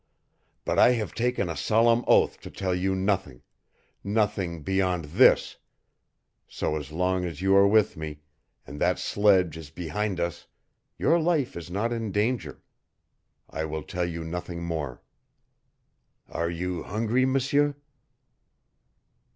But I have taken a solemn oath to tell you nothing; nothing beyond this that so long as you are with me, and that sledge is behind us, your life is not in danger. I will tell you nothing more. Are you hungry, M'seur?"